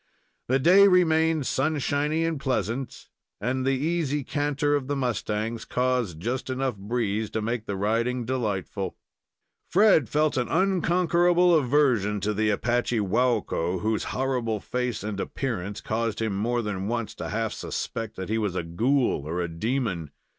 The day remained sunshiny and pleasant, and the easy canter of the mustangs caused just enough breeze to make the riding delightful. Fred felt an unconquerable aversion to the Apache Waukko, whose horrible face and appearance caused him more than once to half suspect that he was a ghoul or demon.